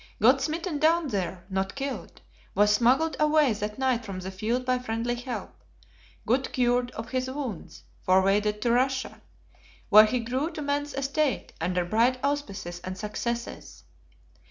Got smitten down there, not killed; was smuggled away that night from the field by friendly help; got cured of his wounds, forwarded to Russia, where he grew to man's estate, under bright auspices and successes.